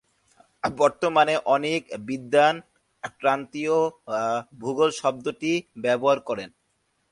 বর্তমানে অনেক বিদ্বান ক্রান্তীয় ভূগোল শব্দটি ব্যবহার করেন।